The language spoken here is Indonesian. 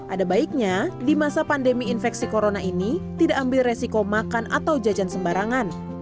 ada baiknya di masa pandemi infeksi corona ini tidak ambil resiko makan atau jajan sembarangan